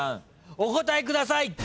お答えください。